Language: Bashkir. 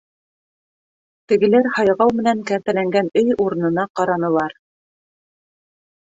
Тегеләр һайғау менән кәртәләнгән өй урынына ҡаранылар: